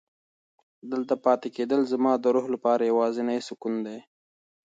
دلته پاتې کېدل زما د روح لپاره یوازینی سکون دی.